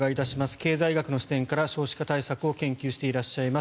経済学の視点から少子化対策を研究していらっしゃいます